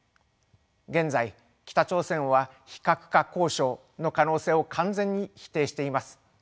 現在北朝鮮は非核化交渉の可能性を完全に否定しています。